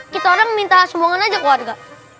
kita orang minta sembuhan aja keluarga